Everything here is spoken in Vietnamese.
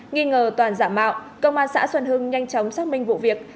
nghi ngờ toàn giả mạo công an xã xuân hưng nhanh chóng xác minh vụ việc